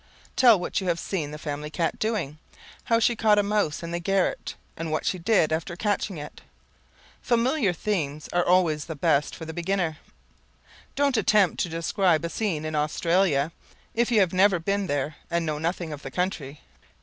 Tell what you have seen the family cat doing, how she caught a mouse in the garret and what she did after catching it. Familiar themes are always the best for the beginner. Don't attempt to describe a scene in Australia if you have never been there and know nothing of the country.